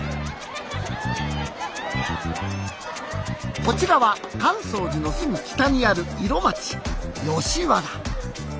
こちらは寛窓寺のすぐ北にある色街吉原。